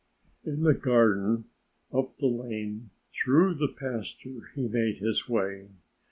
In the garden, up the lane, through the pasture he made his way.